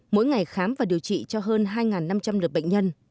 mỗi ngày khám và điều trị cho hơn hai năm trăm linh lượt bệnh nhân